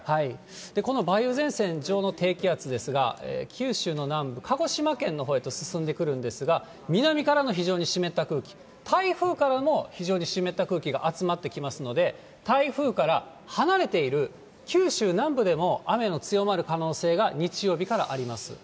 この梅雨前線上の低気圧ですが、九州の南部、鹿児島県のほうへと進んでくるんですが、南からの非常に湿った空気、台風からの非常に湿った空気が集まってきますので、台風から離れている九州南部でも雨の強まる可能性が日曜日からあります。